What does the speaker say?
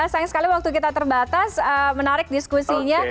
sayang sekali waktu kita terbatas menarik diskusinya